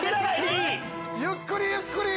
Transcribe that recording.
ゆっくりゆっくり。